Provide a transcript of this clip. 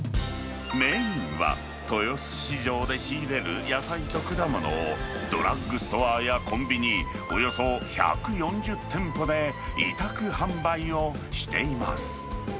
メインは豊洲市場で仕入れる野菜と果物を、ドラッグストアやコンビニ、およそ１４０店舗で委託販売をしています。